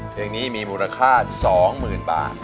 เพลงนี้มีมูลค่าสองหมื่นบาท